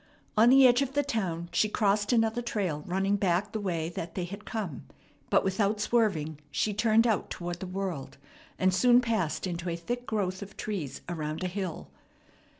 On the edge of the town she crossed another trail running back the way that they had come; but without swerving she turned out toward the world, and soon passed into a thick growth of trees, around a hill.